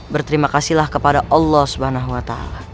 berterima kasih lah kepada allah swt